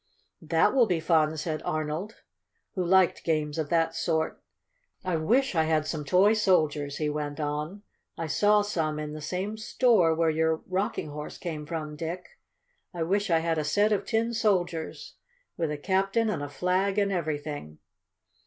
"That will be fun!" said Arnold, who liked games of that sort. "I wish I had some toy soldiers," he went on. "I saw some in the same store where your Rocking Horse came from, Dick. I wish I had a set of tin soldiers, with a captain and a flag and everything!"